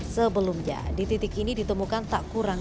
sebelumnya di titik ini ditemukan tak kurang